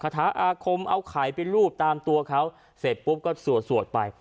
คาถาอาคมเอาไข่ไปรูปตามตัวเขาเสร็จปุ๊บก็สวดสวดไป